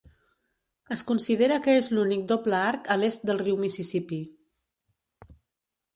Es considera que és l'únic doble arc a l'est del riu Mississippi.